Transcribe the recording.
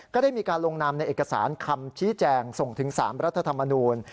ก็ได้มีการลงนามในเอกสารคำชี้แจงส่งถึง๓รัฐธรรมนูล